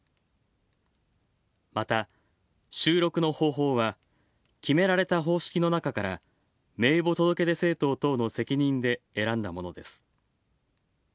また、収録の方法は決められた方式の中から名簿届出政党等の責任で選んだものです。